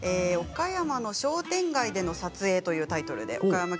岡山の商店街での撮影というタイトルです。